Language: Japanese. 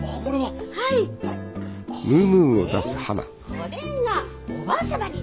これがおばあ様に。